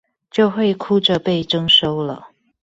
就會哭著被徵收了